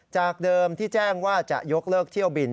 จากเดิมที่แจ้งว่าจะยกเลิกเที่ยวบิน